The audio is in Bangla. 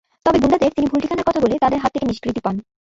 তবে গুন্ডাদের তিনি ভুল ঠিকানার কথা বলে তাদের হাত থেকে নিষ্কৃতি পান।